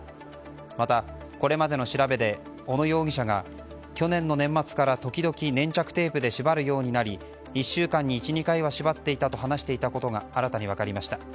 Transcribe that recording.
また、これまでの調べで小野容疑者が去年の年末から時々、粘着テープで縛るようになり１週間に１２回は縛っていたと話していたことが新たに分かりました。